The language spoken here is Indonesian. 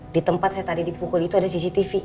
di tempat saya tadi dipukul itu ada cctv